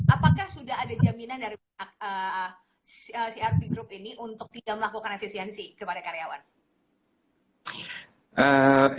apakah sudah ada jaminan dari crp group ini untuk tidak melakukan efisiensi kepada karyawan